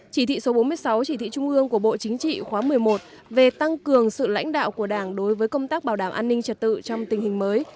nhiệm vụ trọng tâm của bộ chính trị khóa một mươi một về tăng cường sự lãnh đạo của đảng đối với công tác bảo đảm an ninh trật tự trong tình hình mới